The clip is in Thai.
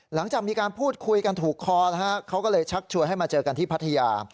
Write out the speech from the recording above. หลังจากมีการพูดคุยกันถูกคอนะฮะเขาก็เลยชักชวนให้มาเจอกันที่พัทยา